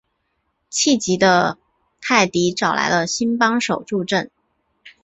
气急的泰迪找来了新帮手助阵。